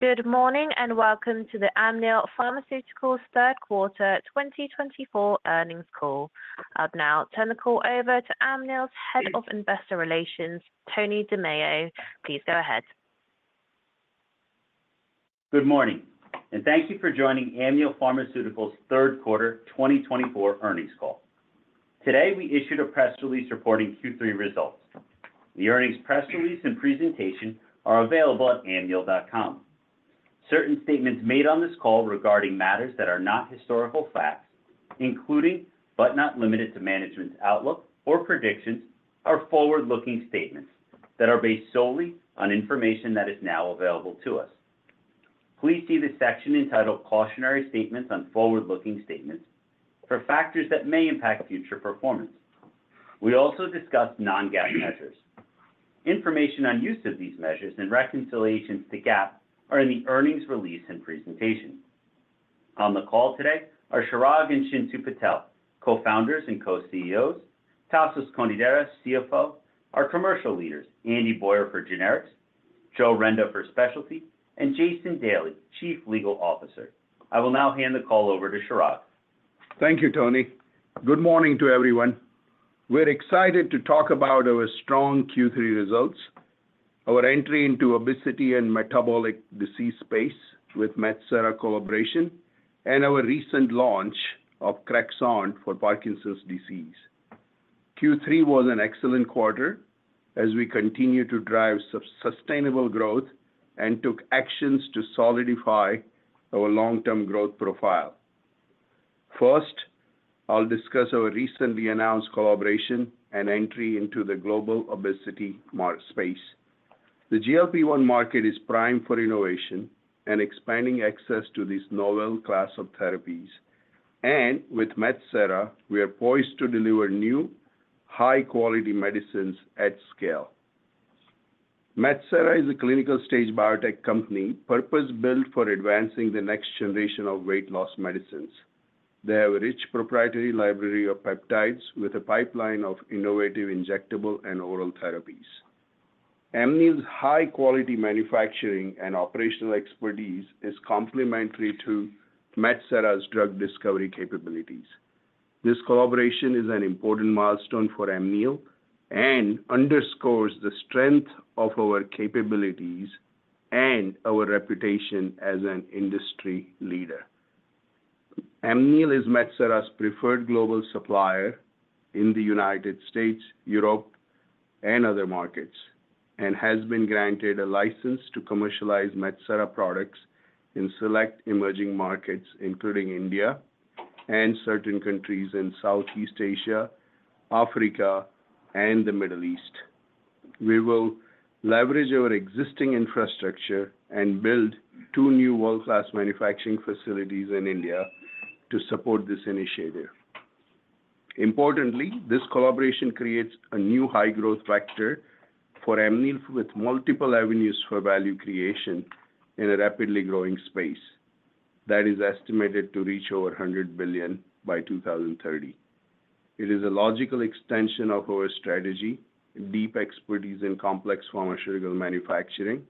Good morning and welcome to the Amneal Pharmaceuticals third quarter 2024 earnings call. I'll now turn the call over to Amneal's Head of Investor Relations Tony DiMeo. Please go ahead. Good morning and thank you for joining Amneal Pharmaceuticals third quarter 2024 earnings call. Today we issued a press release reporting Q3 results. The earnings press release and presentation are available at amneal.com. Certain statements made on this call regarding matters that are not historical facts, including but not limited to management's outlook or predictions, are forward-looking statements that are based solely on information that is now available to us. Please see the section entitled Cautionary Statements on Forward-Looking Statements for factors that may impact future performance. We also discussed non-GAAP measures. Information on use of these measures and reconciliations to GAAP are in the earnings release and presentation. On the call today are Chirag and Chintu Patel, Co-Founders and Co-CEOs; Tasos Konidaris, CFO; our commercial leaders Andy Boyer for Generics, Joe Renda for Specialty, and Jason Daly, Chief Legal Officer. I will now hand the call over to Chirag. Thank you, Tony. Good morning to everyone. We're excited to talk about our strong Q3 results, our entry into obesity and metabolic disease space with Metsera collaboration and our recent launch of Crexont for Parkinson's disease. Q3 was an excellent quarter as we continue to drive sustainable growth and took actions to solidify our long-term growth profile. First, I'll discuss our recently announced collaboration and entry into the global obesity space. The GLP-1 market is primed for innovation and expanding access to this novel class of therapies, and with Metsera we are poised to deliver new high-quality medicines at scale. Metsera is a clinical-stage biotech company purpose-built for advancing the next generation of weight loss medicines. They have a rich proprietary library of peptides with a pipeline of innovative injectable and oral therapies. Amneal's high quality manufacturing and operational expertise is complementary to Metsera's drug discovery capabilities. This collaboration is an important milestone for Amneal and underscores the strength of our capabilities and our reputation as an industry leader. Amneal is Metsera's preferred global supplier in the United States, Europe and other markets and has been granted a license to commercialize Metsera products in select emerging markets including India and certain countries in Southeast Asia, Africa and the Middle East. We will leverage our existing infrastructure and build two new world class manufacturing facilities in India to support this initiative. Importantly, this collaboration creates a new high growth vector for Amneal with multiple avenues for value creation in a rapidly growing space that is estimated to reach over $100 billion by 2030. It is a logical extension of our strategy, deep expertise in complex pharmaceutical manufacturing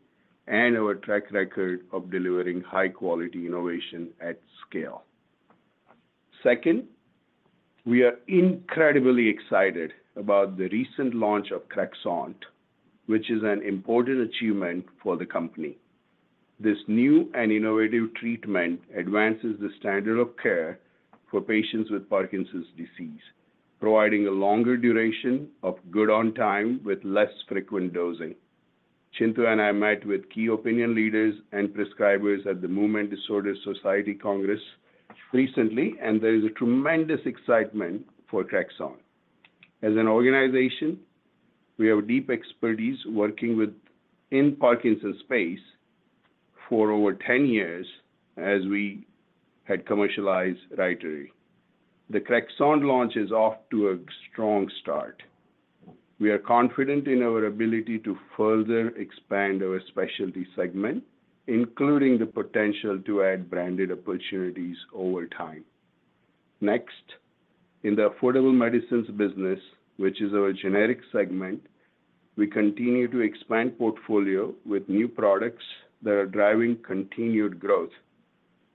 and our track record of delivering high quality innovation at scale. Second, we are incredibly excited about the recent launch of Crexont, which is an important achievement for the company. This new and innovative treatment advances the standard of care for patients with Parkinson's disease, providing a longer duration of good on time with less frequent dosing. Chintu and I met with key opinion leaders and prescribers at the Movement Disorder Society Congress recently and there is a tremendous excitement for Crexont as an organization. We have deep expertise working in Parkinson's space for over 10 years as we had commercialized Rytary. The Crexont launch is off to a strong start. We are confident in our ability to further expand our specialty segment including the potential to add branded opportunities over time. Next, in the affordable medicines business which is our generic segment, we continue to expand portfolio with new products that are driving continued growth.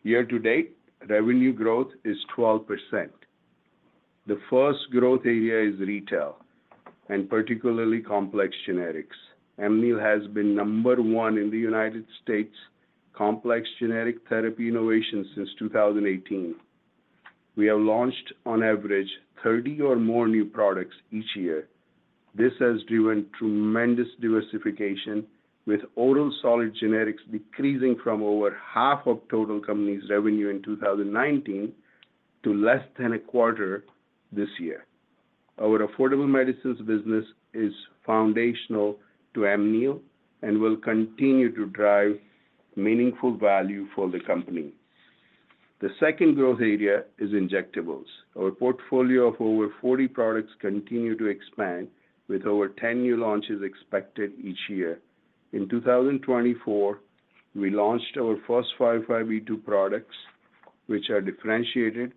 Year-to-date revenue growth is 12%. The first growth area is retail and particularly complex generics. Amneal has been number one in the United States complex generic therapy innovation. Since 2018 we have launched on average 330 or more new products each year. This has driven tremendous diversification with oral solid generics decreasing from over half of total company's revenue in 2019 to less than a quarter this year. Our affordable medicines business is foundational to Amneal and will continue to drive meaningful value for the company. The second growth area is injectables. Our portfolio of over 40 products continue to expand with over 10 new launches expected each year. In 2024 we launched our first 505(b)(2) products which are differentiated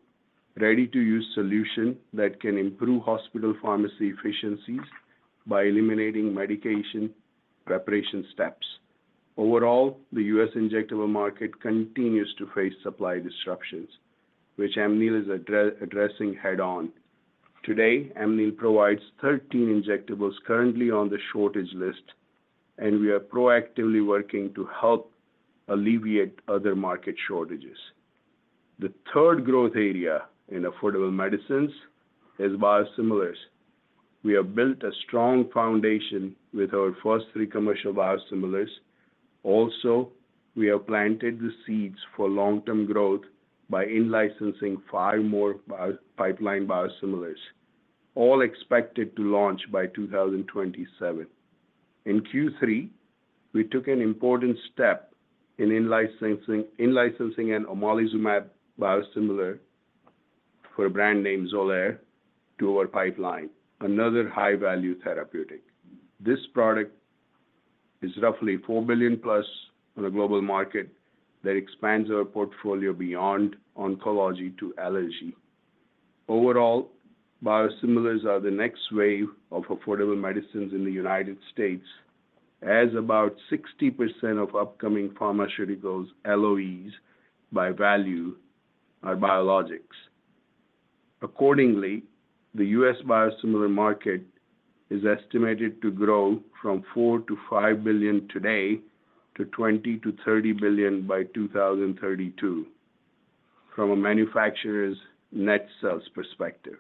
ready to use solution that can improve hospital pharmacy efficiencies by eliminating medication preparation steps. Overall, the U.S. injectable market continues to face supply disruptions which Amneal is addressing head on. Today Amneal provides 13 injectables currently on the shortage list and we are proactively working to help alleviate other market shortages. The third growth area in affordable medicines is biosimilars. We have built a strong foundation with our first three commercial biosimilars. Also, we have planted the seeds for long term growth by in licensing five more pipeline biosimilars, all expected to launch by 2027. In Q3 we took an important step in licensing an omalizumab biosimilar for a brand name Xolair to our pipeline. Another high value therapeutic, this product is roughly $4 billion-plus on a global market that expands our portfolio beyond oncology to allergy. Overall, biosimilars are the next wave of affordable medicines in the United States as about 60% of upcoming pharmaceuticals' LOEs by value biologics. Accordingly, the US biosimilar market is estimated to grow from $4 to $5 billion today to $20 to $30 billion by 2032. From a manufacturer's net sales perspective,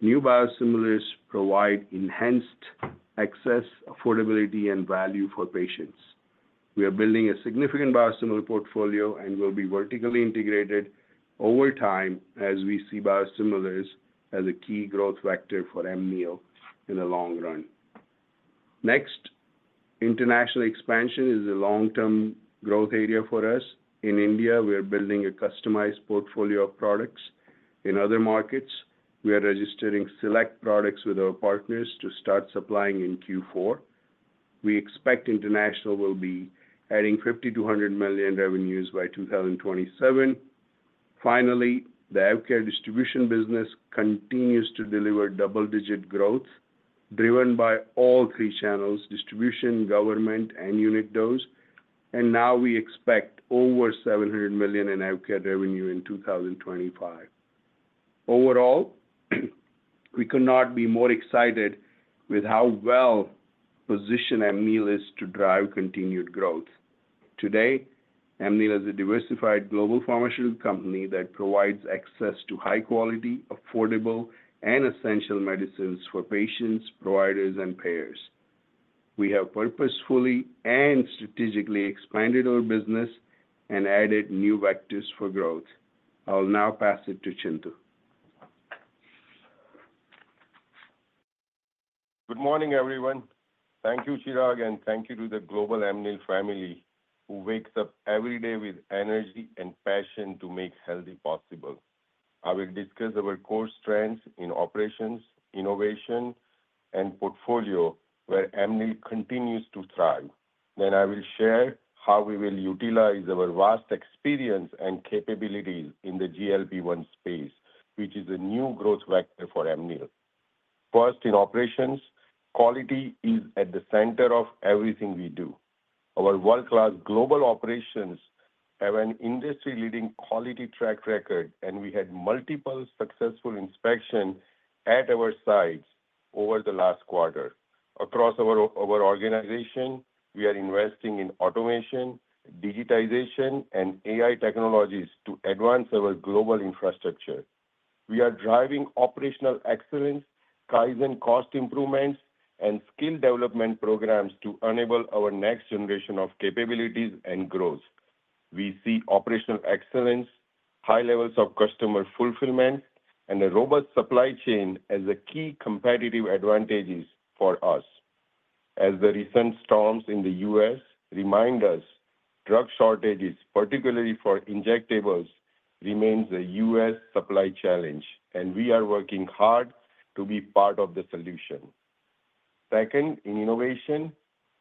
new biosimilars provide enhanced access, affordability and value for patients. We are building a significant biosimilar portfolio and will be vertically integrated over time as we see biosimilars as a key growth vector for Amneal in the long run. Next, international expansion is a long-term growth area for us. In India we are building a customized portfolio of products. In other markets we are registering select products with our partners to start supplying in Q4. We expect international will be adding $5.2 billion revenues by 2027. Finally, the healthcare distribution business continues to deliver double-digit growth driven by all three channels, distribution, government, and unit dose, and now we expect over $700 million in healthcare revenue in 2025. Overall, we could not be more excited with how well positioned Amneal is to drive continued growth today. Amneal is a diversified global pharmaceutical company that provides access to high-quality, affordable, and essential medicines for patients, providers, and payers. We have purposefully and strategically expanded our business and added new vectors for growth. I'll now pass it to Chintu. Good morning everyone. Thank you Chirag and thank you to the global Amneal family who wakes up every day with energy and passion to make healthy possible. I will discuss our core strengths in operations, innovation and portfolio where Amneal continues to thrive. Then I will share how we will utilize our vast experience and capabilities in the GLP-1 space which is a new growth factor for Amneal. First in operations, quality is at the center of everything we do. Our world-class global operations have an industry-leading quality track record and we had multiple successful inspections at our sites over the last quarter. Across our organization we are investing in automation, digitization and AI technologies to advance our global infrastructure. We are driving operational excellence, Kaizen cost improvements and skill development programs to enable our next generation of capabilities and growth. We see operational excellence, high levels of customer fulfillment and a robust supply chain as a key competitive advantages for us. As the recent storms in the U.S. remind us, drug shortages, particularly for injectables, remains a U.S. supply challenge and we are working hard to be part of the solution. Second in innovation,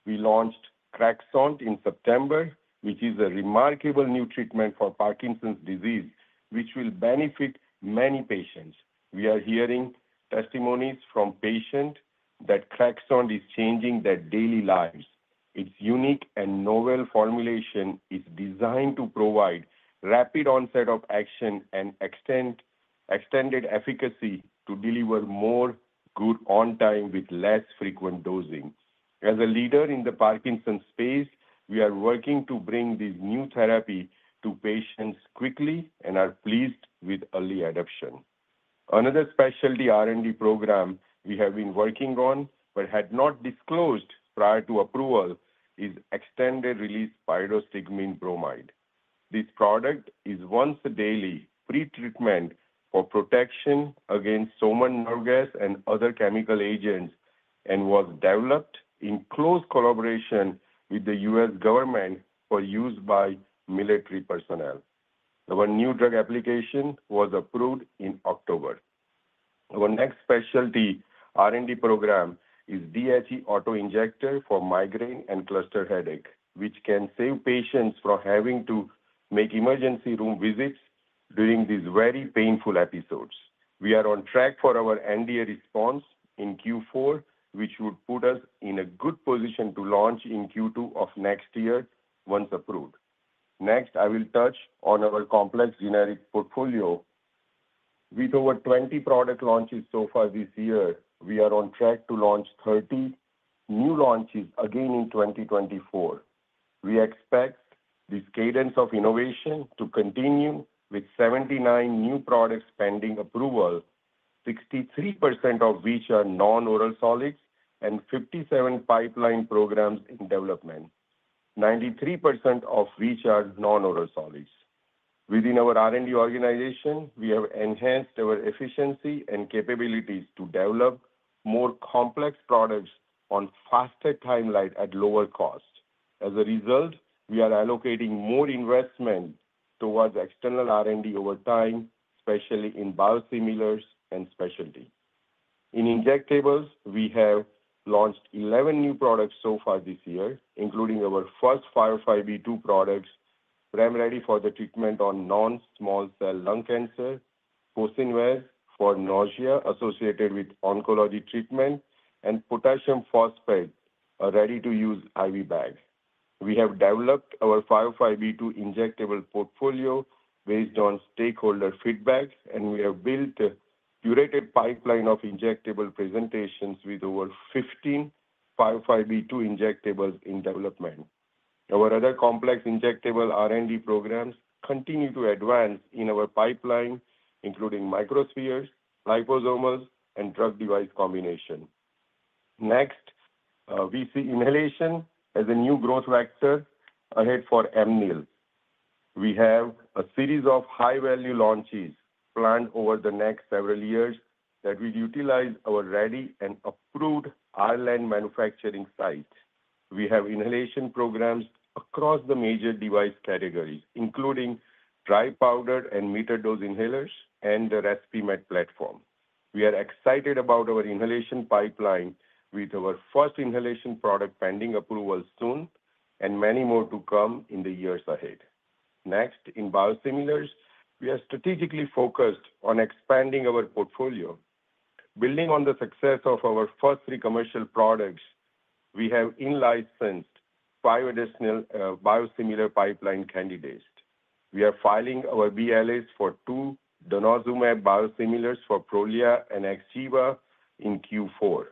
we launched Crexont in September which is a remarkable new treatment for Parkinson's disease which will benefit many patients. We are hearing testimonies from patients that Crexont is changing their daily lives. Its unique and novel formulation is designed to provide rapid onset of action and extended efficacy to deliver more good on time with less frequent dosing. As a leader in the Parkinson's space, we are working to bring these new therapy to patients quickly and are pleased with early adoption. Another specialty R&D program we have been working on but had not disclosed prior to approval is extended-release pyridostigmine bromide. This product is once-daily pretreatment for protection against soman gas and other chemical agents and was developed in close collaboration with the U.S. Government for use by military personnel. Our New Drug Application was approved in October. Our next specialty R&D program is DHE auto-injector for migraine and cluster headache which can save patients from having to make emergency room visits during these very painful episodes. We are on track for our NDA response in Q4 which would put us in a good position to launch in Q2 of next year once approved. Next I will touch on our complex generic portfolio. With over 20 product launches so far this year, we are on track to launch 30 new launches again in 2024. We expect this cadence of innovation to continue with 79 new products pending approval, 63% of which are non-oral solids and 57 pipeline programs in development, 93% of which are non-oral solids. Within our R&D organization we have enhanced our efficiency and capabilities to develop more complex products on faster timeline at lower cost. As a result, we are allocating more investment towards external R&D over time, especially in biosimilars and specialty in injectables. We have launched 11 new products so far this year including our first 505(b)(2) products primarily for the treatment of non-small cell lung cancer, fosaprepitant for nausea associated with oncology treatment and potassium phosphate ready-to-use IV bags. We have developed our 505(b)(2) injectable portfolio based on stakeholder feedback and we have built curated pipeline of injectable presentations with over 15 505(b)(2) injectables in development. Our other complex injectable R&D programs continue to advance in our pipeline, including microspheres, liposomals, and drug-device combinations. Next, we see inhalation as a new growth vector ahead for Amneal's. We have a series of high-value launches planned over the next several years that will utilize our ready and approved Ireland manufacturing site. We have inhalation programs across the major device categories, including dry powder and metered dose inhalers and the RespiMeds platform. We are excited about our inhalation pipeline with our first inhalation product pending approval soon and many more to come in the years ahead. Next, in biosimilars, we are strategically focused on expanding our portfolio, building on the success of our first three commercial products. We have in-licensed five additional biosimilar pipeline candidates. We are filing our BLAs for two denosumab biosimilars for Prolia and Xgeva in Q4.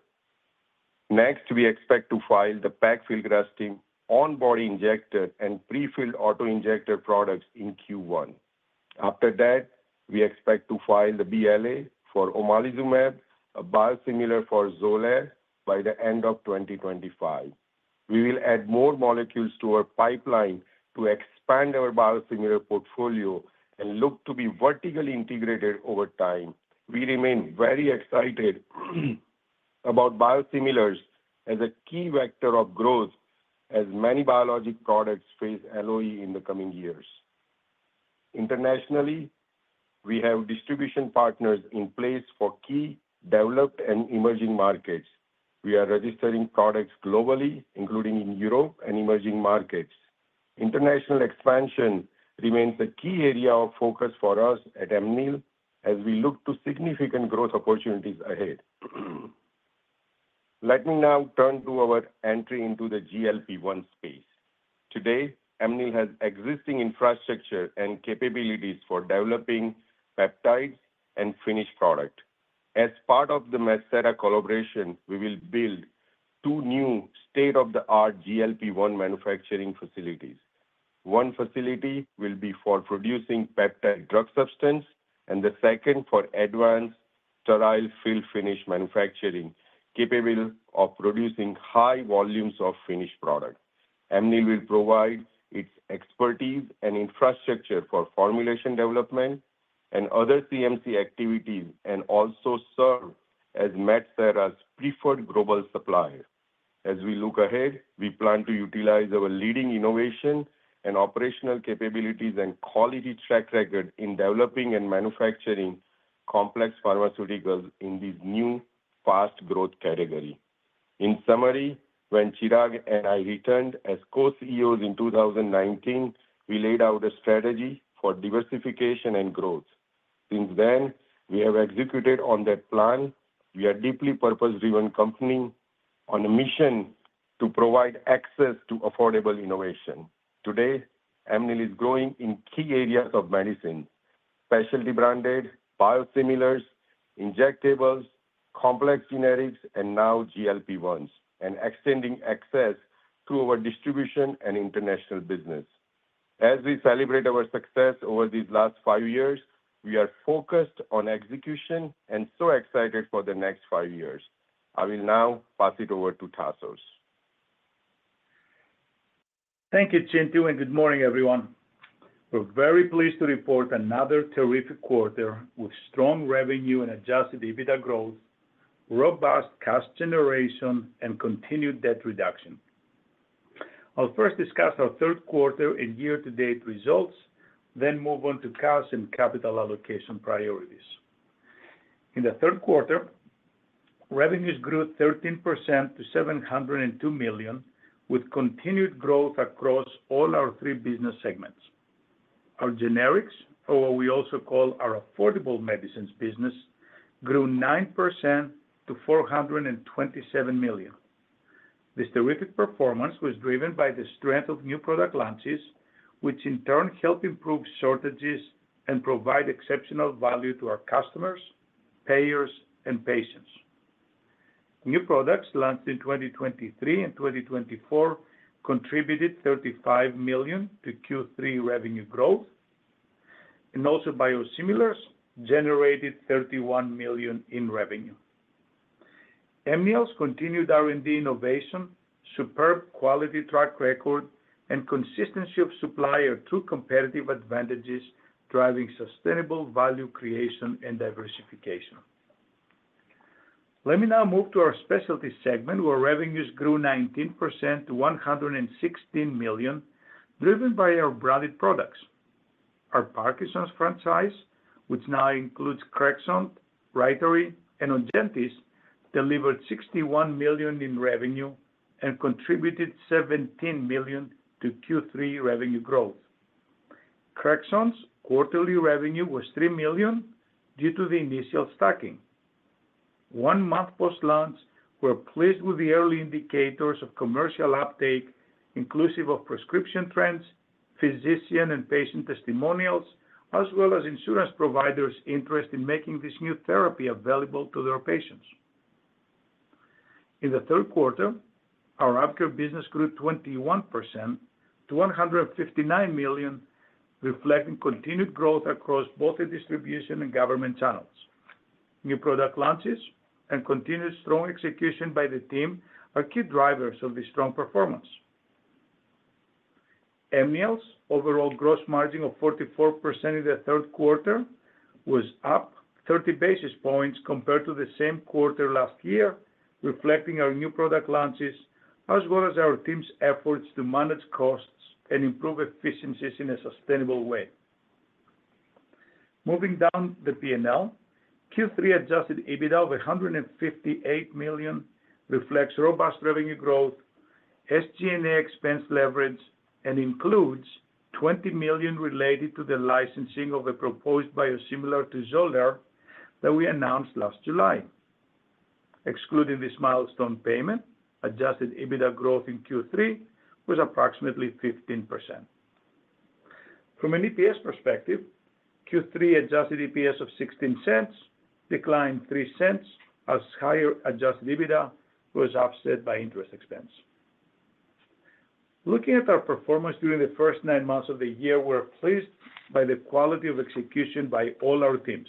Next, we expect to file the BLA for pegfilgrastim on-body injector and pre-filled auto-injector products in Q1. After that, we expect to file the BLA for omalizumab, a biosimilar for Xolair. By the end of 2025, we will add more molecules to our pipeline to expand our biosimilar portfolio and look to be vertically integrated over time. We remain very excited about biosimilars as a key vector of growth as many biologic products face LOE in the coming years. Internationally, we have distribution partners in place for key developed and emerging markets. We are registering products globally, including in Europe and emerging markets. International expansion remains a key area of focus for us at Amneal as we look to significant growth opportunities ahead. Let me now turn to our entry into the GLP-1 space. Today, Amneal has existing infrastructure and capabilities for developing peptides and finished product. As part of the Metsera collaboration we will build two new state-of-the-art GLP-1 manufacturing facilities. One facility will be for producing peptide drug substance and the second for advanced sterile fill finish manufacturing capable of producing high volumes of finished product. Amneal will provide its expertise and infrastructure for formulation, development and other CMC activities and also serve as Metsera's preferred global supplier. As we look ahead we plan to utilize our leading innovation and operational capabilities and quality track record in developing and manufacturing complex pharmaceuticals in this new fast growth category. In summary, when Chirag and I returned as co-CEOs in 2019, we laid out a strategy for diversification and growth. Since then we have executed on that plan. We are deeply purpose driven company on a mission to provide access to affordable innovation. Today Amneal is growing in key areas of medicine, specialty branded biosimilars, injectables, complex generics and now GLP-1s and extending access to our distribution and international business. As we celebrate our success over these last five years, we are focused on execution and so excited for the next five years. I will now pass it over to Tasos. Thank you Chintu and good morning everyone. We're very pleased to report another terrific quarter with strong revenue and Adjusted EBITDA growth, robust cash generation and continued debt reduction. I'll first discuss our third quarter and year to date results, then move on to cash and capital allocation priorities. In the third quarter revenues grew 13% to $702 million with continued growth across all our three business segments. Our generics, or what we also call our affordable medicines business grew 9% to $427 million. This terrific performance was driven by the strength of new product launches, which in turn help improve shortages and provide exceptional value to our customers, payers and patients. New products launched in 2023 and 2024 contributed $35 million to Q3 revenue growth and also biosimilars generated $31 million in revenue. Amneal's continued R&D innovation, superb quality track record and consistency of supply, our true competitive advantages driving sustainable value creation and diversification. Let me now move to our specialty segment where revenues grew 19% to $116 million driven by our branded products. Our Parkinson's franchise, which now includes Crexont, Rytary and Ongentys, delivered $61 million in revenue and contributed $17 million to Q3 revenue growth. Crexont's quarterly revenue was $3 million due to the initial stacking one month post launch. We're pleased with the early indicators of commercial uptake inclusive of prescription trends, physician and patient testimonials, as well as insurance providers interest in making this new therapy available to their patients. In the third quarter, our AvKARE business grew 21% to $159 million, reflecting continued growth across both the distribution and government channels. New product launches and continued strong execution by the team are key drivers of this strong performance. Amneal's overall gross margin of 44% in the third quarter was up 30 basis points compared to the same quarter last year, reflecting our new product launches as well as our team's efforts to manage costs and improve efficiencies in a sustainable way. Moving down the P&L, Q3 adjusted EBITDA of $158 million reflects robust revenue growth, SG&A expense leverage and includes $20 million related to the licensing of a proposed biosimilar to Xolair that we announced last July. Excluding this milestone payment, adjusted EBITDA growth in Q3 was approximately 15%. From an EPS perspective, Q3 adjusted EPS of $0.16 declined $0.03 as higher adjusted EBITDA was offset by interest expense. Looking at our performance during the first nine months of the year, we're pleased by the quality of execution by all our teams.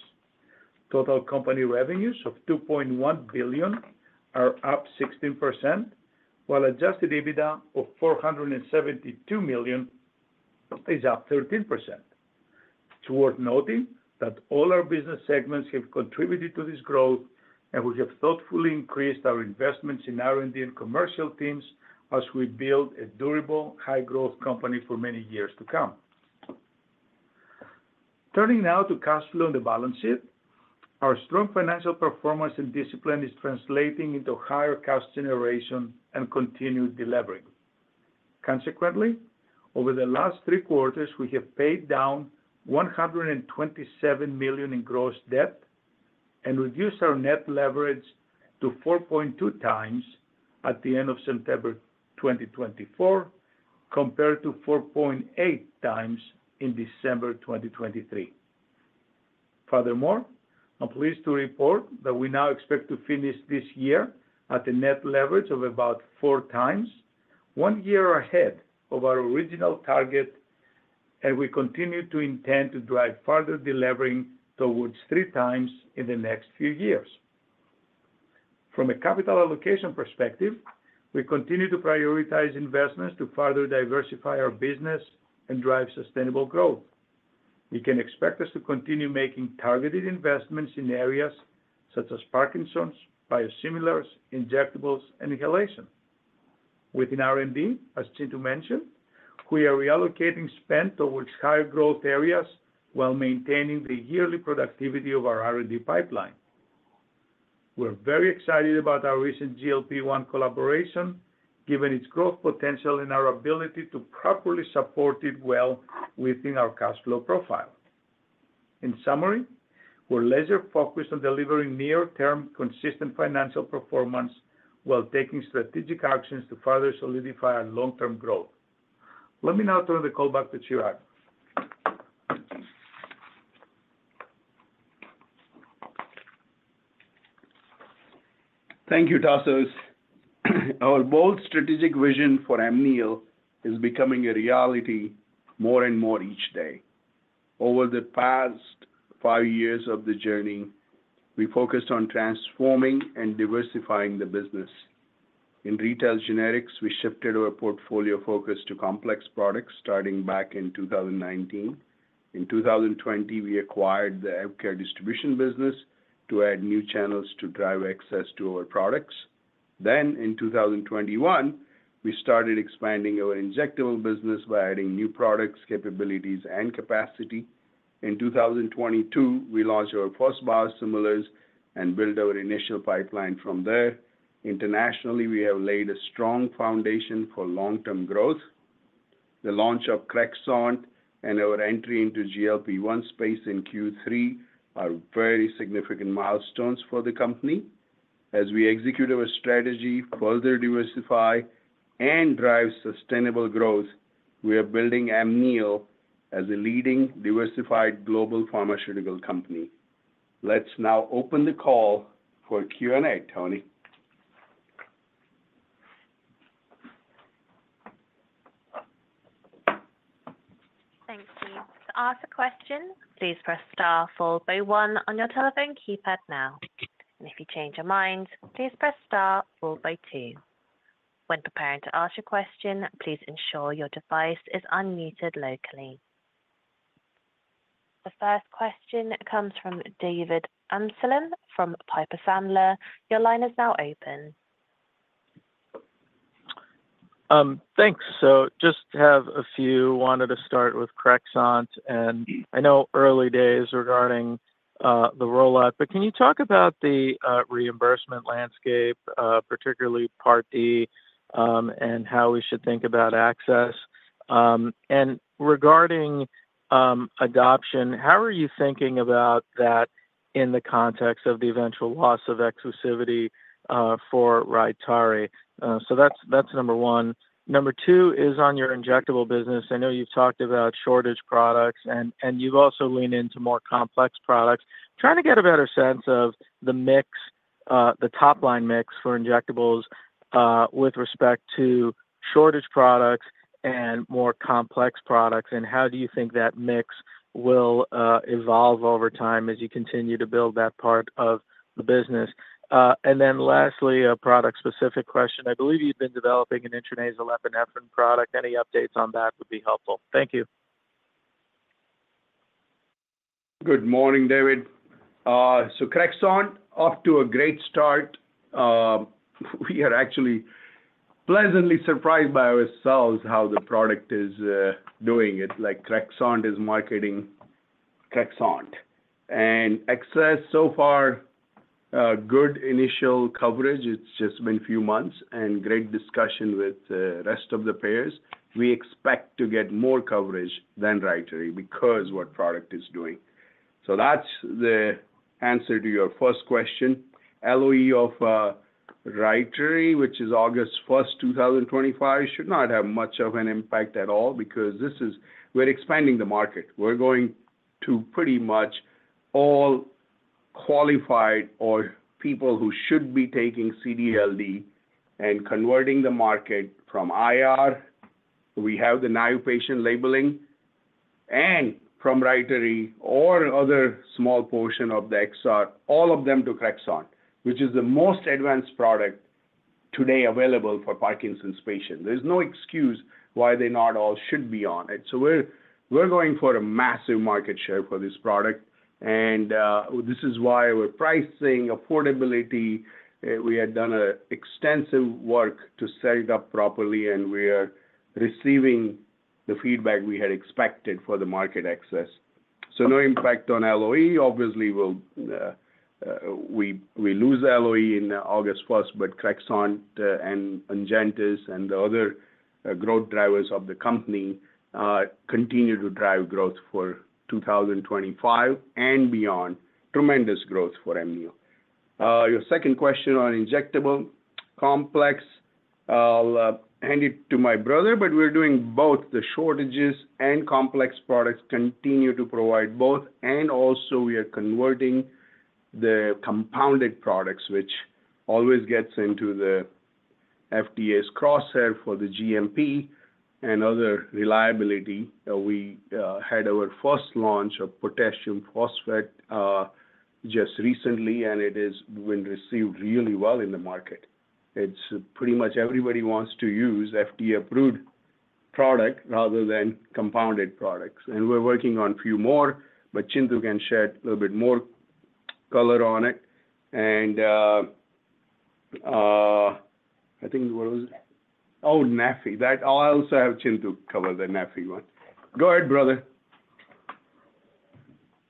Total company revenues of $2.1 billion are up 16% while adjusted EBITDA of $472 million is up 13%. It's worth noting that all our business segments have contributed to this growth and we have thoughtfully increased our investments in R&D and commercial teams as we build a durable high growth company for many years to come. Turning now to cash flow on the balance sheet, our strong financial performance and discipline is translating into higher cash generation and continued delivering. Consequently, over the last three quarters we have paid down $127 million in gross debt and reduced our net leverage to 4.2x at the end of September 2024 compared to 4.8x in December 2023. Furthermore, I'm pleased to report that we now expect to finish this year at a net leverage of about four times, one year ahead of our original target and we continue to intend to drive further delevering towards 3x in the next few years. From a capital allocation perspective, we continue to prioritize investments to further diversify our business and drive sustainable growth. We can expect us to continue making targeted investments in areas such as Parkinson's, biosimilars, injectables and inhalation within R&D. As Chintu mentioned, we are reallocating spend towards higher growth areas while maintaining the yearly productivity of our R&D pipeline. We're very excited about our recent GLP-1 collaboration given its growth potential and our ability to properly support it well within our cash flow profile. In summary, we're laser focused on delivering near term consistent financial performance while taking strategic actions to further solidify our long term growth. Let me now turn the call back to Chirag. Thank you Tasos. Our bold strategic vision for Amneal is becoming a reality more and more each day. Over the past five years of the journey we focused on transforming and diversifying the business in retail generics. We shifted our portfolio focus to complex products starting back in 2019. In 2020 we acquired the healthcare distribution business to add new channels to drive access to our products. Then in 2021 we started expanding our injectable business by adding new products capabilities and capacity. In 2022 we launched our first biosimilars and built our initial pipeline from there. Internationally we have laid a strong foundation for long term growth. The launch of Crexont and our entry into GLP-1 space in Q3 are very significant milestones for the company as we execute our strategy further diversify and drive sustainable growth. We are building Amneal as a leading diversified global pharmaceutical company. Let's now open the call for Q and A. Tony. Thanks, you. To ask a question, please press star, then one on your telephone keypad now. And if you change your mind, please press star followed by two. When preparing to ask your question, please ensure your device is unmuted locally. The first question comes from David Amsellem from Piper Sandler. Your line is now open. Thanks. So just have a few wanted to start with Crexont and I know early days regarding the rollout but can you talk about the reimbursement landscape particularly Part D and how we should think about access and regarding adoption how are you thinking about that in the context of the eventual loss of exclusivity for Rytary. So that's number one. Number two is on your injectable business. I know you've talked about shortage products and you've also leaned into more complex products trying to get a better sense of the mix, the top line mix for injectables with respect to shortage products and more complex products. And how do you think that mix will evolve over time as you continue to build that part of the business. And then lastly a product specific question. I believe you've been developing an intranasal epinephrine product. Any updates on that would be helpful. Thank you. Good morning, David. So Crexont is off to a great start. We are actually pleasantly surprised by ourselves how the product is doing. It's like Crexontis marketing Crexont and access so far. Good initial coverage. It's just been a few months and great discussion with the rest of the payers. We expect to get more coverage than we reiterate because of what the product is doing. So that's the answer to your first question. LOE of Rytary, which is August 1, 2025, should not have much of an impact at all because this is we're expanding the market. We're going to pretty much all qualified PD patients who should be taking CD/LD and converting the market from IR. We have the naïve patient labeling and from Rytary or other small portion of the XR, all of them to Crexont, which is the most advanced product today available for Parkinson's patients. There's no excuse why they not all should be on it, so we're going for a massive market share for this product and this is why we're pricing affordability. We had done extensive work to set it up properly and we are receiving the feedback we had expected for the market access, so no impact on LOE obviously. We. LOE in August 1st but Crexont and the other growth drivers of the company continue to drive growth for 2025 and beyond. Tremendous growth for Amneal. Your second question on injectable complex. I'll hand it to my brother but we're doing both the shortages and complex products continue to provide both and also we are converting the compounded products which always gets into the FDA's crosshair for the GMP and other reliability. We had our first launch of potassium phosphate just recently and it is when received really well in the market. It's pretty much everybody wants to use FDA approved product rather than compounded products and we're working on few more. But Chintu can shed a little bit more color on it and I think what was oh Neffy that I also have Chintu cover the Neffy one. Go ahead brother.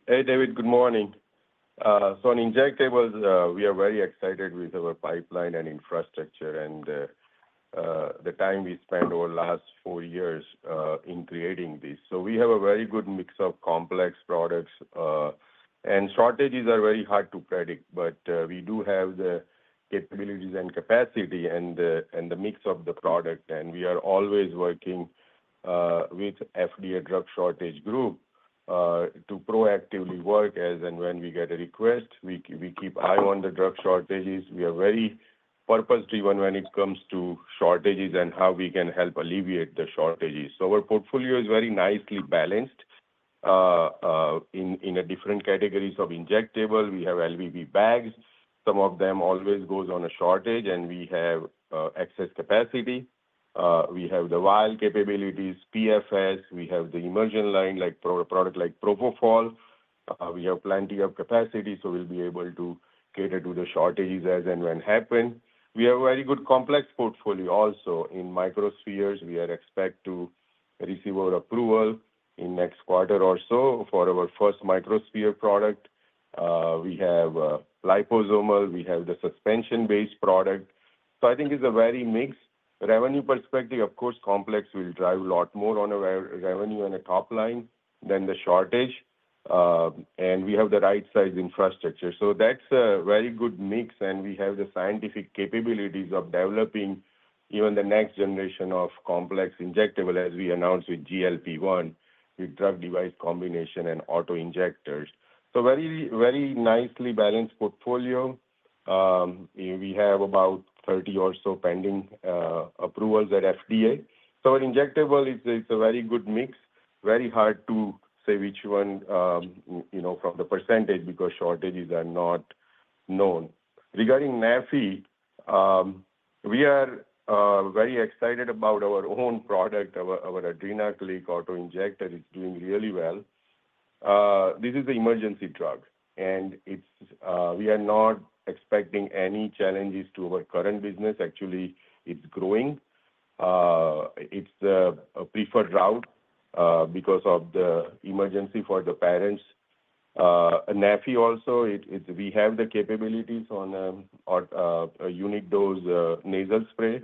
Hey, David. Good morning. So on injectables we are very excited with our pipeline and infrastructure and the time we spend over last four years in creating this. So we have a very good mix of complex products and shortages are very hard to predict. But we do have the capabilities and capacity and the mix of the product and we are always working with FDA drug shortage group to proactively work as and when we get a request. We keep an eye on the drug shortages. We are very purpose driven when it comes to shortages and how we can help alleviate the shortages. So our portfolio is very nicely balanced in different categories of injectables. We have IV bags, some of them always goes on a shortage and we have excess capacity. We have vial capabilities PFS, we have the emergent line like product like propofol. We have plenty of capacity so we'll be able to cater to the shortages as and when they happen. We have a very good complex portfolio also in microspheres. We expect to receive our approval in the next quarter or so. For our first microsphere product we have liposomal, we have the suspension-based product. So I think it's a very mixed revenue perspective. Of course complex will drive a lot more on a revenue and a top line than the shortage. We have the right size infrastructure so that's a very good mix. We have the scientific capabilities of developing even the next generation of complex injectables as we announced with GLP-1 with drug device combination and auto injectors. So very, very nicely balanced portfolio. We have about 30 or so pending approvals at FDA. So injectables is a very good mix. very hard to say which one, you know, from the percentage because shortages are not known regarding Neffy. We are very excited about our own product. Our Adrenaclick auto-injector is really well. This is the emergency drug and we are not expecting any challenges to our current business. Actually, it's growing. It's a preferred route because of the emergency for the parents. Neffy also, we have the capabilities on a unit dose nasal spray.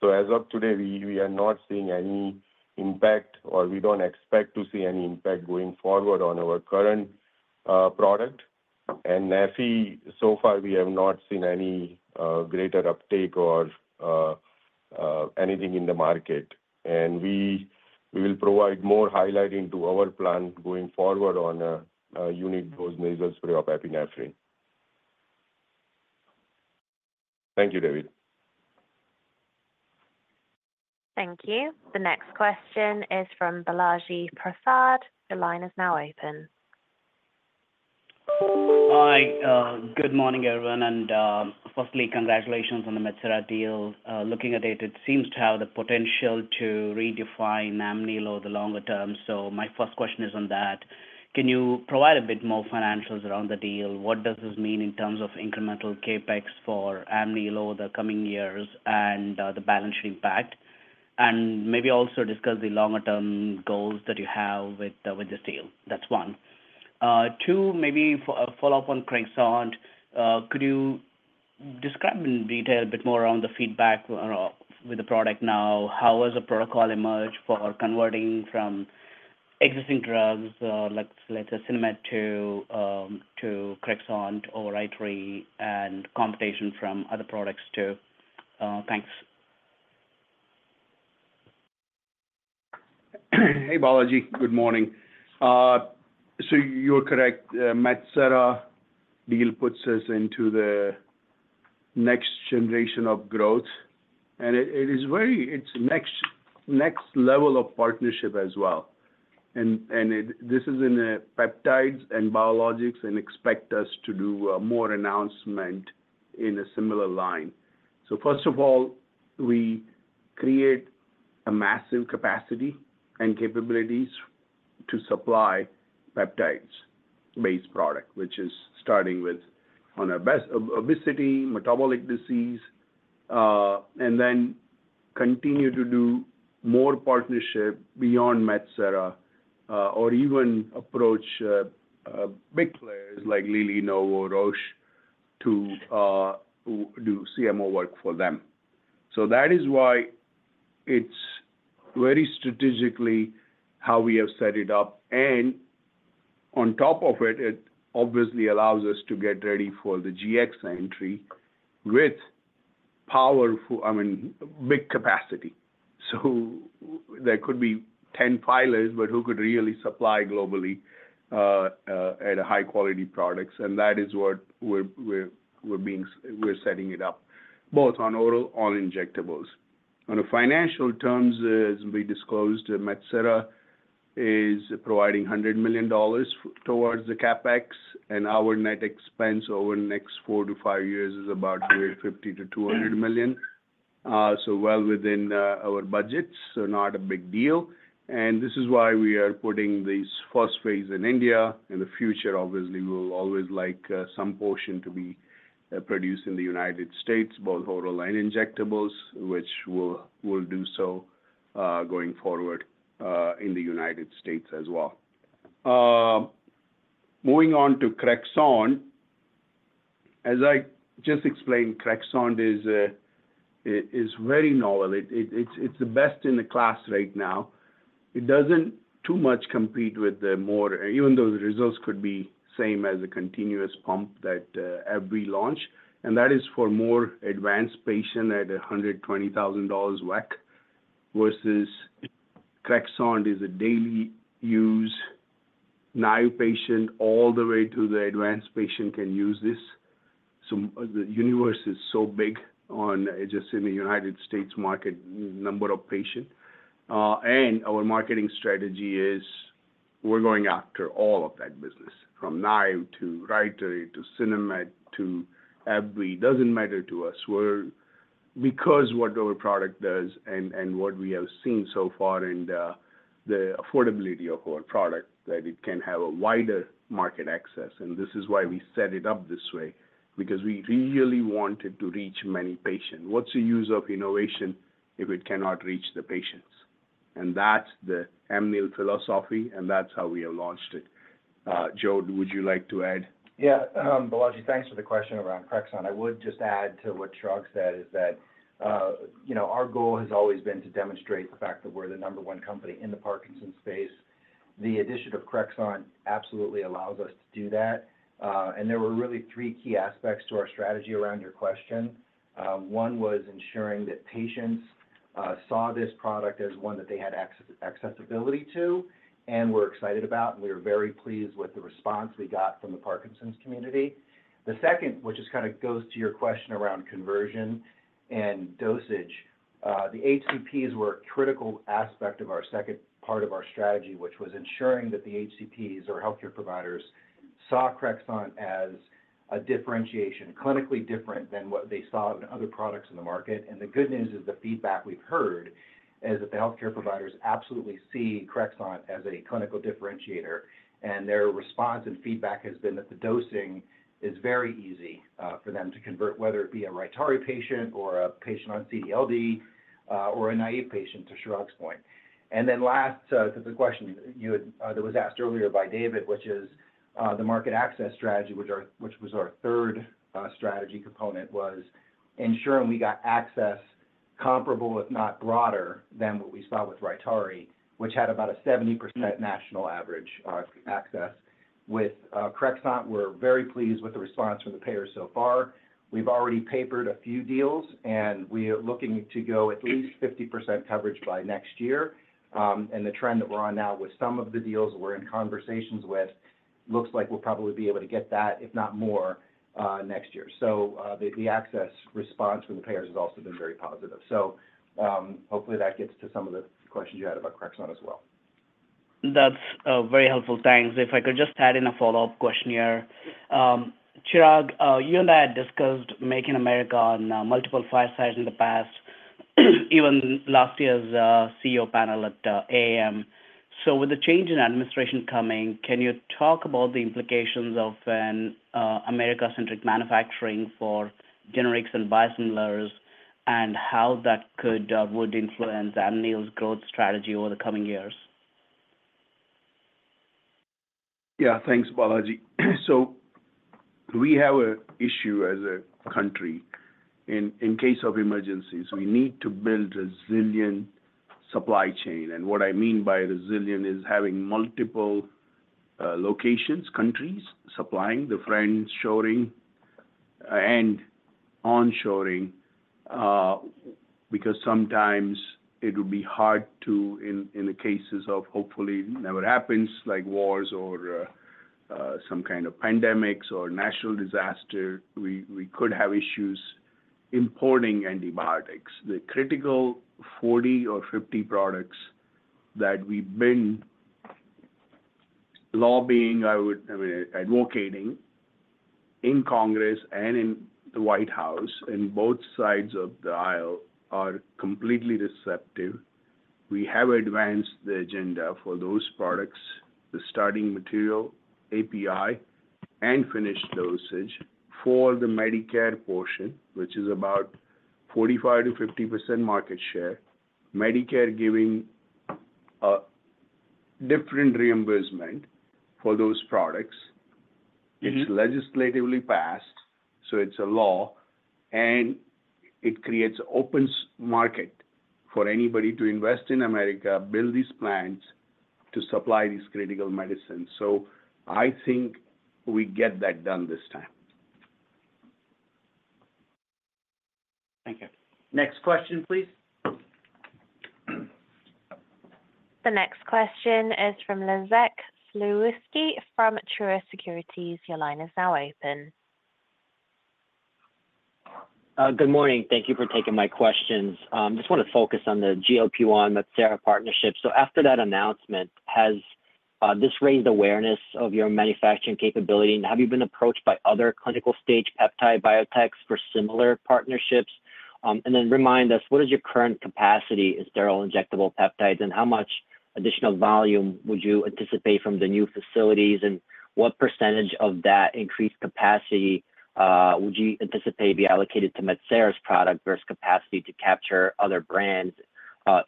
So as of today we are not seeing any impact or we don't expect to see any impact going forward on our current product and Neffy. So far we have not seen any greater uptake or anything in the market and we will provide more highlights into our plan going forward on unit dose nasal spray of epinephrine. Thank you, David. Thank you. The next question is from Balaji Prasad. The line is now open. Hi, good morning everyone and firstly congratulations on the Metsera deal. Looking at it it seems to have the potential to redefine Amneal over the longer term. So my first question is on that can you provide a bit more financials around the deal? What does this mean in terms of incremental CapEx for Amneal over the coming years and the balance sheet impact and maybe also discuss the longer term goals that you have with this deal. That's one, two, maybe follow up on Crexont. Could you describe in detail a bit more on the feedback with the product now how has a protocol emerged for converting from existing drugs, let's say Sinemet to Crexont or Rytary and competition from other products too. Thanks. Hey Balaji, good morning. So you're correct. Metsera deal puts us into the next generation of growth and it is very it's next next level of partnership as well and this is in peptides and biologics and expect us to do more announcement in a similar line. So first of all we create a massive capacity and capabilities to supply peptides based product which is starting with obesity, metabolic disease and then continue to do more partnership beyond Metsera or even approach big players like Lilly, Novo Roche to do CMO work for them. So that is why it's very strategically. How we have set it up. On top of it, it obviously allows us to get ready for the GLP-1 entry with powerful, I mean big capacity. So there could be 10 pilots but who could really supply globally at high-quality products. And that is what we're setting it up both on oral, on injectables, on a financial terms. As we disclosed, Metsera is providing $100 million towards the CapEx and our net expense over the next four to five years is about $50 to $200 million. So well within our budget. So not a big deal. And this is why we are putting these first phase in India in the future. Obviously we will always like some portion to be produced in the United States both oral and injectables which will do so going forward in the United States as well. Moving on to Crexont, as I just explained, Crexont is very novel. It's the best in the class right now. It doesn't compete too much with the more even though the results could be the same as a continuous pump that AbbVie launch and that is for more advanced patients at $120,000 a year versus Crexont is a daily use. Naïve patients all the way to the advanced patients can use this. So the universe is so big on just in the United States market. Number of patients and our marketing strategy is we're going after all of that business from naïve to Rytary to Sinemet to AbbVie. Doesn't matter to us. We're because what our product does and what we have seen so far and the affordability of our product that it can have a wider market access. And this is why we set it up this way because we really wanted to reach many patients. What's the use of innovation if it cannot reach the patients? And that's the Amneal philosophy and that's how we have launched it. Joe, would you like to add. Yeah, Balaji, thanks for the question around Crexont. I would just add to what Chirag said is that, you know, our goal has always been to demonstrate the fact that we're the number one company in the Parkinson's space. The addition of Crexont absolutely allows us to do that. And there were really three key aspects to our strategy around your question. One was ensuring that patients saw this product as one that they had accessibility to and were excited about. And we were very pleased with the response we got from the Parkinson's community. The second, which is kind of goes to your question around conversion and dosage. The HCPs were a critical aspect of our second part of our strategy, which was ensuring that the HCPs or healthcare providers saw Crexont as a differentiation clinically different than what they saw in other products in the market. And the good news is the feedback we've heard is that the healthcare providers absolutely see Crexont as a clinical differentiator. And their response and feedback has been that the dosing is very easy for them to convert, whether it be a Rytary patient or a patient on CD/LD or a naïve patient to Chirag's point. And then last, the question that was asked earlier by David, which is the market access strategy, which was our third strategy component, was ensuring we got access comparable if not broader than what we saw with Rytary, which had about a 70% national average access with Crexont. We're very pleased with the response from the payers so far. We've already papered a few deals and we are looking to go at least 50% coverage by next year. And the trend that we're on now with some of the deals we're in conversations with looks like we'll probably be able to get that if not more next year. So the access response from the payers has also been very positive. So hopefully that gets to some of the questions you had about Crexont as well. That's very helpful, thanks. If I could just add in a follow-up question here, Chirag, you and I had discussed Make in America in multiple fireside chats in the past. Even last year's CEO panel at AAM. So with the change in administration coming, can you talk about the implications of America-centric manufacturing for generics and biosimilars and how that could influence Amneal's growth strategy over the coming years? Yeah. Thanks Balaji. So we have an issue as a country in case of emergencies we need to build resilient supply chain and what I mean by resilient is having multiple locations countries supplying the friend shoring and on shoring because sometimes it would be hard to in the cases of hopefully never happens like wars or some kind of pandemics or natural disaster we could have issues importing antibiotics. The critical 40 or 50 products that we've been lobbying. I've been advocating in Congress and in the White House in both sides of the aisle are completely receptive. We have advanced the agenda for those products. The starting material, API and finished dosage for the Medicare portion which is about 45% to 50% market share. Medicare giving a different reimbursement for those products. It's legislatively passed, so it's a law and it creates open market for anybody to invest in America, build these plants to supply these critical medicines. So I think we get that done this time. Thank you. Next question please. The next question is from Les Sulewski from Truist Securities. Your line is now open. Good morning. Thank you for taking my questions. Just want to focus on the GLP-1 Metsera partnership. So after that announcement, has this raised awareness of your manufacturing capability and have you been approached by other clinical stage peptide biotechs for similar partnerships and then remind us what is your current capacity in sterile injectable peptides and how much additional volume would you anticipate from the new facilities and what percentage of that increased capacity would you anticipate be allocated to Metsera's product versus capacity to capture other brands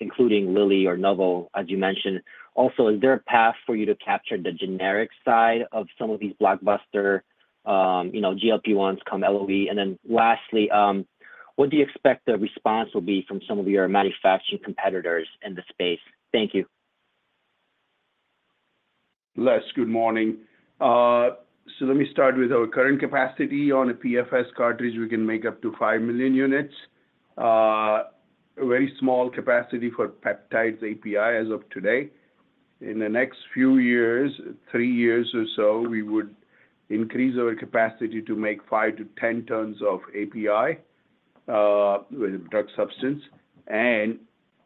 including Lilly or Novo. As you mentioned also is there a path for you to capture the generic side of some of these blockbuster, you know GLP-1s come LOE and then lastly what do you expect the response will be from some of your manufacturing competitors in the space? Thank you. Les, good morning. So let me start with our current capacity on a PFS cartridge. We can make up to 5 million units, a very small capacity for peptides API as of today. In the next few years, three years or so, we would increase our capacity to make 5 to 10 tons of API with drug substance and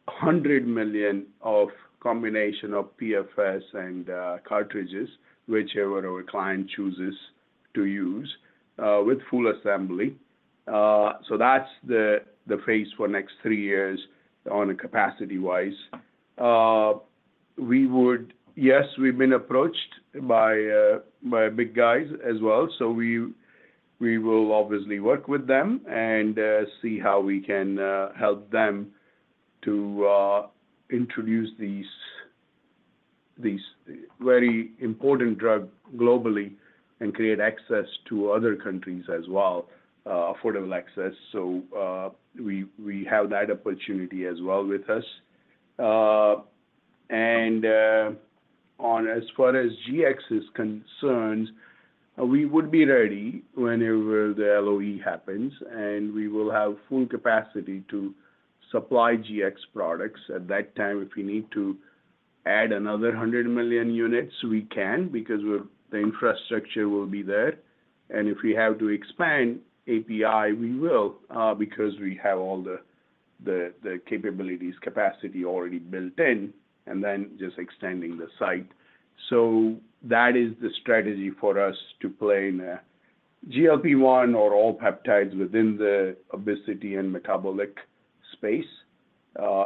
100 million of combination of PFS and cartridges whichever our client chooses to use with full assembly. So that's the phase for next three years on a capacity wise we would. Yes, we've been approached by big guys as well. So we will obviously work with them and see how we can help them to introduce these very important drug globally and create access to other countries as well, affordable access. So we have that opportunity as well with us and on as far as GX is concerned we would be ready whenever the LOE happens and we will have full capacity to supply GX products at that time. If we need to add another 100 million units we can because the infrastructure will be there and if we have to expand API we will because we have all the capabilities capacity already built in and then just extending the site. So that is the strategy for us to play in GLP-1 or all peptides within the obesity and metabolic space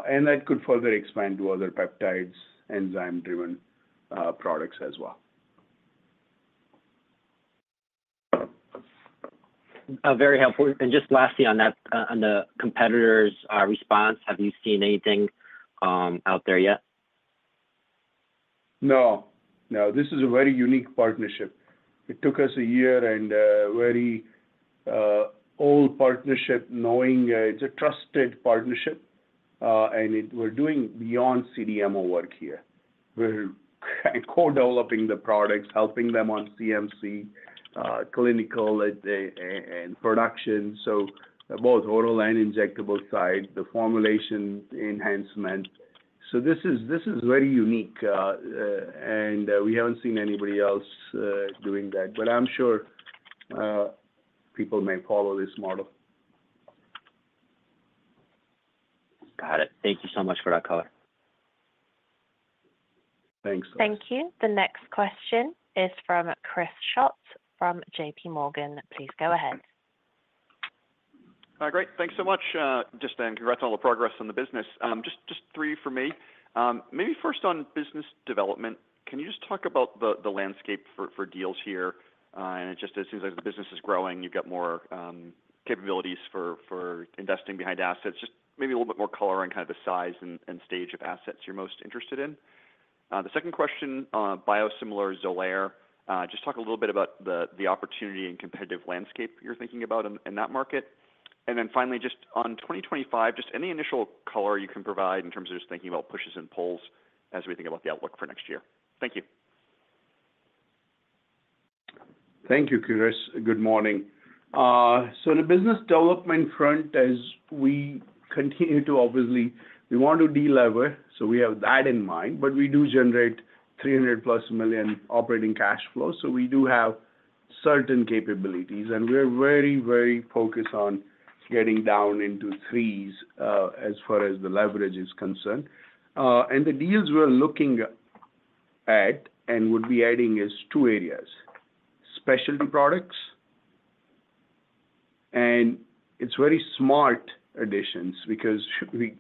and that could further expand to other peptides enzyme driven products as well. Very helpful. Just lastly on that competitor's response. Have you seen anything out there yet? No, no. This is a very unique partnership. It took us a year and very old partnership. Knowing it's a trusted partnership and we're doing beyond CDMO work here. We're co developing the products, helping them on CMC clinical and production both oral and injectable side the formulation enhancement. So this is, this is very unique and we haven't seen anybody else doing that but I'm sure people may follow this model. Got it. Thank you so much for that color. Thanks. Thank you. The next question is from Chris Schott from JPMorgan. Please go ahead. Great, thanks so much. Just congrats on all the progress on the business. Just three for me maybe. First on business development. Can you just talk about the landscape for deals here and it just seems like the business is growing. You've got more capabilities for investing behind assets. Just maybe a little bit more color on kind of the size and stage of assets you're most interested in. The second question biosimilar Xolair. Just talk a little bit about the opportunity and competitive landscape you're thinking about in that market. And then finally just on 2025 just any initial color you can provide in terms of just thinking about pushes and pulls as we think about the outlook for next year. Thank you. Thank you, Chirag. Good morning. So the business development front as we continue to obviously we want to de-lever so so we have that in mind but we do generate $300+ million operating cash flow. So we do have certain capabilities and we're very very focused on getting down into threes as far as the leverage is concerned. And the deals we're looking at and would be adding is two areas specialty products. And it's very smart additions because we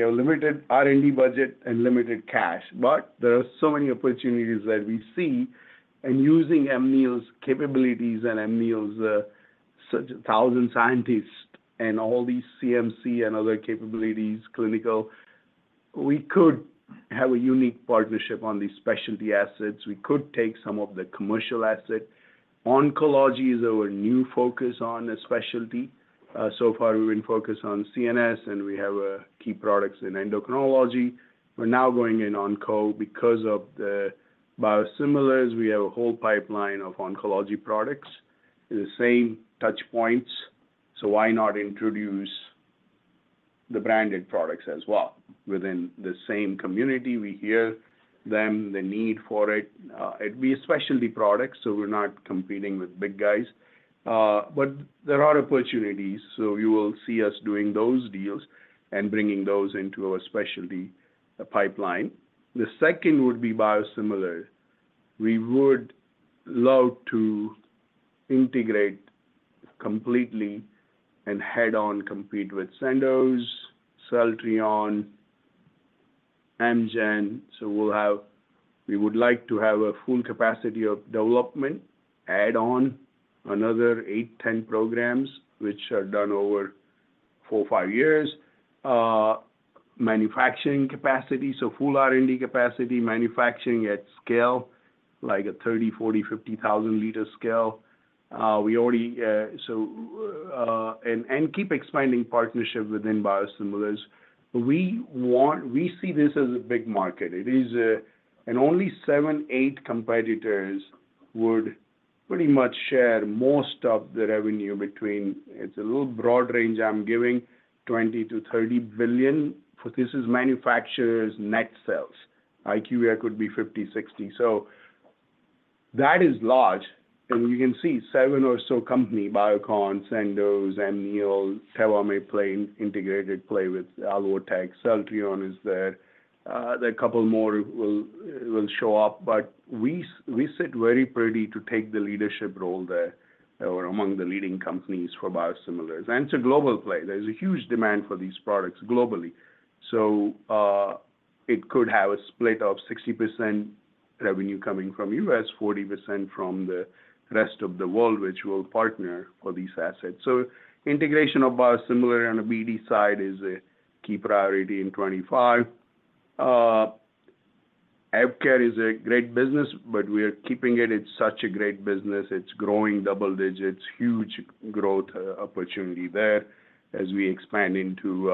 have limited R&D budget and limited cash. But there are so many opportunities that we see and using Amneal's capabilities and thousand scientists and all these CMC and other capabilities clinical we could have a unique partnership on these specialty assets. We could take some of the commercial assets. Oncology is our new focus on a specialty. So far we've been focused on CNS and we have key products in endocrinology. We're now going in on CO because of the biosimilars. We have a whole pipeline of oncology products, the same touch points. So why not introduce the branded products as well within the same community? We hear that the need for it. It'd be specialty products. So we're not competing with big guys. But there are opportunities. So you will see us doing those deals and bringing those into our specialty pipeline. The second would be biosimilar. We would love to integrate completely and head-on compete with Sandoz, Celltrion, Amgen. So we would like to have a full capacity of development, add on another 8-10 programs which are done. Over 45 years' manufacturing capacity. So full R&D capacity manufacturing at scale like a 30, 40, 50,000-liter scale. We already do and keep expanding partnership within biosimilars. We want. We see this as a big market. It is, and only seven or eight competitors would pretty much share most of the revenue between them. It's a little broad range. I'm giving $20 to $30 billion. This is manufacturers' net sales. IQVIA could be $50 to $60 billion. That is large, and you can see seven or so companies: Biocon, Sandoz, Amneal, Teva may play, integrated play with Alvotech, Celltrion is there, a couple more will show up, but we sit very pretty to take the leadership role there among the leading companies for biosimilars, and it's a global play. There's a huge demand for these products globally. It could have a split of 60% revenue coming from us, 40% from the rest of the world which will partner for these assets. Integration of biosimilars on the BD side is a key priority in 2025. AvKARE is a great business but we are keeping it. It's such a great business. It's growing double digits, huge growth opportunity there as we expand into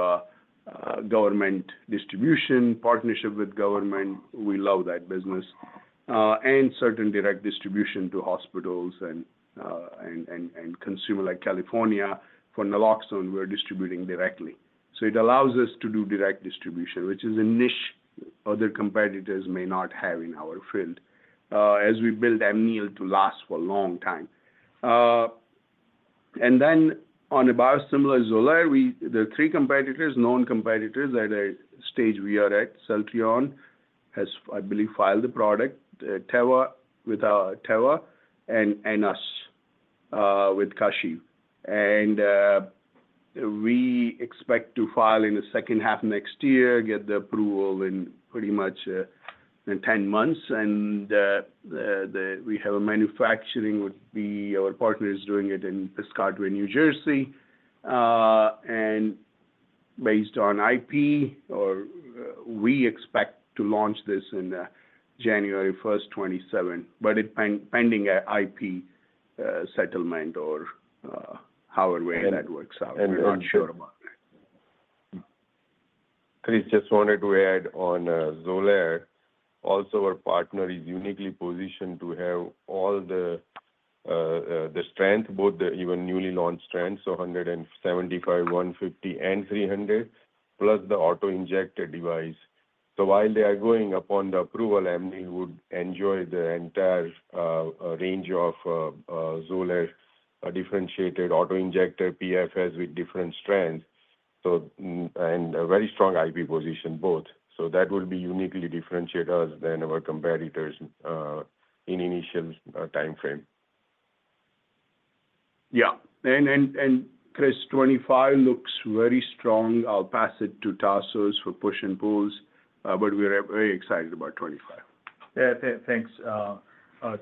government distribution, partnership with government. We love that business and certain direct distribution to hospitals and consumers like in California for Naloxone. We're distributing directly so it allows us to do direct distribution which is a niche other competitors may not have in our field. As we build Amneal to last for a long time. Then on a biosimilar Xolair, we're the three known competitors at a stage we are at. Celltrion has, I believe, filed the product and us with Kashiv and we expect to file in the second half next year get the approval in pretty much 10 months. We have a manufacturing would be our partner is doing it in Piscataway, New Jersey, and based on IP, we expect to launch this in 2027, but it's pending IP settlement or however that works out. We're not sure about that. Chris just wanted to add on Xolair. Also, our partner is uniquely positioned to have all the strengths, both the even newly launched strengths: 175, 150, and 300, plus the auto injector device. While they are going upon the approval, we'd enjoy the entire range of Xolair differentiated auto injector PFS with different strengths. And a very strong IP position both. That will uniquely differentiate us than our competitors in initial time frame. Yeah, and Chris, 25 looks very strong. I'll pass it to Tasos for push and pulls, but we're very excited about 25. Thanks,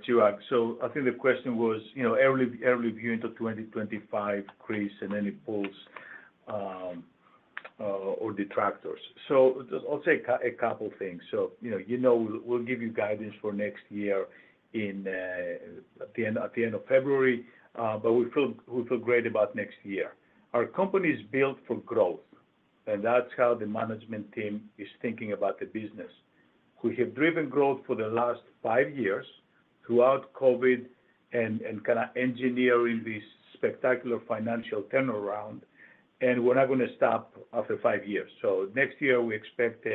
Chirag. So I think the question was, you know, early view into 2025, Chris, and any pulls or detractors. So I'll say a couple things, so you know. You know, we'll give you guidance for next year in at the end of February. But we feel great about next year. Our company is built for growth and. That's how the management team is thinking about the business. We have driven growth for the last five years throughout COVID and kind of engineering this spectacular financial turnaround, and we're not going to stop after five years, so next year we expect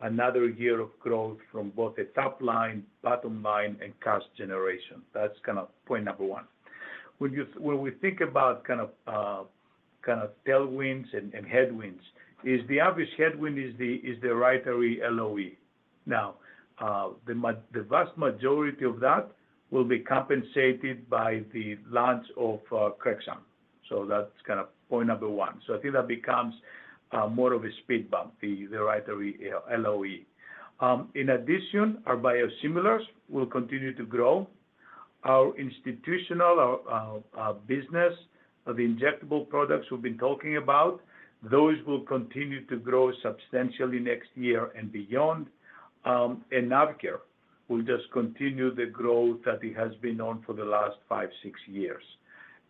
another year of growth from both the top line, bottom line and cash generation. That's kind of point number one. When we think about kind of tailwinds and headwinds, the obvious headwind is the Rytary LOE. Now the vast majority of that will be compensated by the launch of Crexont. So that's kind of point number one. So I think that becomes more of a speed bump. The Rytary LOE. In addition, our biosimilars will continue to grow our institutional business. The injectable products we've been talking about, those will continue to grow substantially next year and beyond. AvKARE will just continue the growth that has been on for the last five, six years.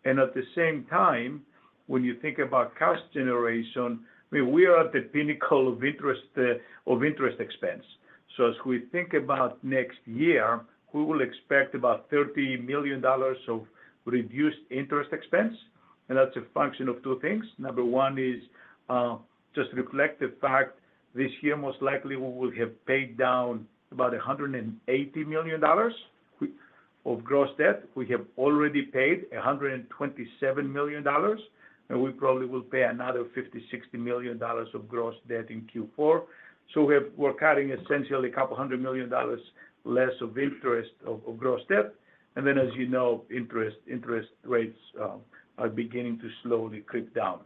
And at the same time, when you think about cash generation, we are at the pinnacle of interest of interest expense. So as we think about next year, we will expect about $30 million of reduced interest expense. And that's a function of two things. Number one is just reflect the fact this year, most likely we will have paid down about $180 million of gross debt. We have already paid $127 million and we probably will pay another $50 to $60 million of gross debt in Q4. So we're cutting essentially a couple hundred million dollars less of interest of gross debt. And then as you know, interest rates are beginning to slowly creep down.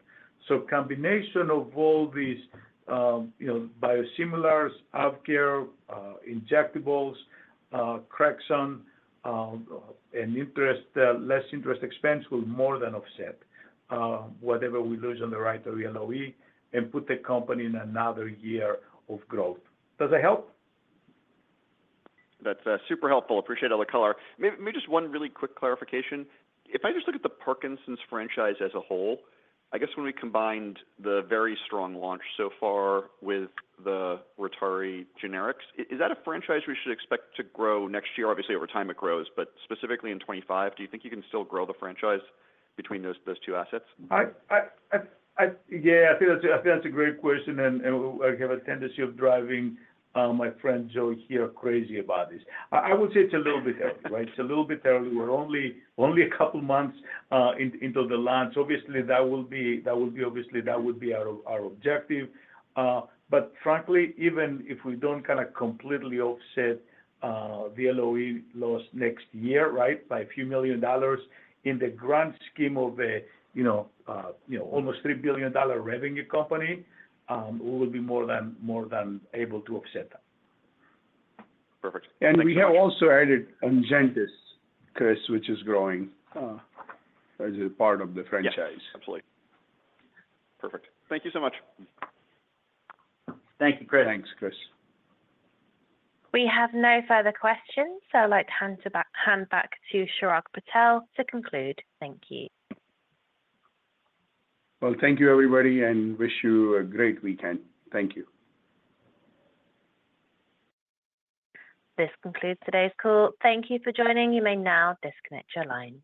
Combination of all these biosimilars, injectables, Crexont and less interest expense will more than offset whatever we lose on the Rytary LOE and put the company in another year of growth. Does that help? That's super helpful. Appreciate all the color. Maybe just one really quick clarification. If I just look at the Parkinson's franchise as a whole, I guess when we combined the very strong launch so far with the Rytary generics, is that a franchise we should expect to grow next year? Obviously over time it grows, but specifically in 2025, do you think you can still grow the franchise between those two assets? Yeah, I think that's a great question, and I have a tendency of driving my friend Joe here crazy about this. I would say it's a little bit early. It's a little bit early. We're only, only a couple of months into the launch. Obviously, that will be. Obviously that would be out of our objective. But frankly, even if we don't kind of completely offset the LOE loss next year, right, by a few million dollars, in the grand scheme of a, you know, you know, almost $3 billion revenue company, we will be more than, more than able to offset that. Perfect. We have also added Ongentys, Chris, which is growing as a part of the franchise. Perfect. Thank you so much. Thank you, Chris. Thanks, Chris. We have no further questions, so I'd like to hand back to Chirag Patel to conclude. Thank you. Thank you, everybody, and wish you a great weekend. Thank you. This concludes today's call. Thank you for joining. You may now disconnect your lines.